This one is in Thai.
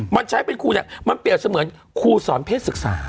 มันใช้เป็นครูเนี่ยมันเปรียบเสมือนครูสอนเพศศึกษา